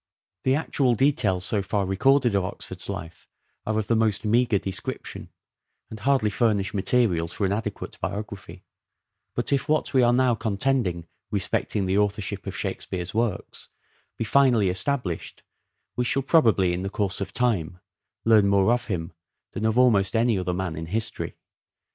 The actual details so far recorded of Oxford's life are of the most meagre description, and hardly furnish materials for an adequate biography ; but if what we are now contending respecting the authorship of Shakespeare's works be finally established we shall probably, in the course of time, learn more of him FINAL OR SHAKESPEAREAN PERIOD 405 than of almost any other man in history.